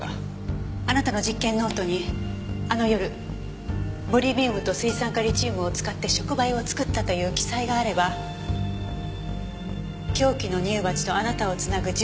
あなたの実験ノートにあの夜ボリビウムと水酸化リチウムを使って触媒を作ったという記載があれば凶器の乳鉢とあなたを繋ぐ重要な証拠になります。